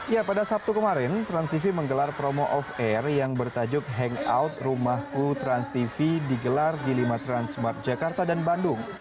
ya pada sabtu kemarin transtv menggelar promo off air yang bertajuk hangout rumahku transtv digelar di lima transmart jakarta dan bandung